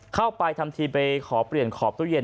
เข้าไปทำทีไปขอเปลี่ยนขอบตู้เย็น